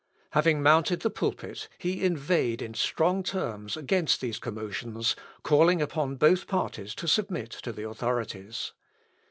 Having mounted the pulpit, he inveighed in strong terms against these commotions, calling upon both parties to submit to the authorities.